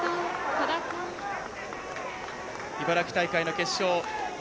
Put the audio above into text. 茨城大会の決勝。